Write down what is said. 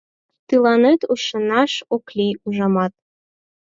Тыланет ӱшанаш ок лий, ужамат...